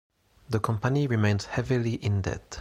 The company remains heavily in debt.